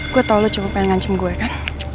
gue tau lo cuma pengen ngancem gue kan